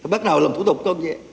bắt đầu làm thủ tục công nghệ